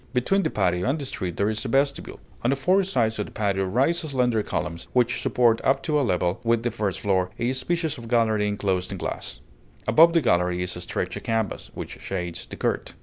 Between the patio and the street there is a vestibule. On the four sides of the patio rise slender columns, which support, up to a level with the first floor, a species of gallery inclosed in glass; above the gallery is stretched a canvas, which shades the court.